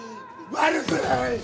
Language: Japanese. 悪くない！